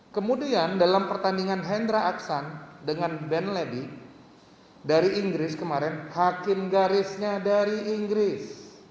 kemudian dalam pertandingan hendra aksan dengan ben lady dari inggris kemarin hakim garisnya dari inggris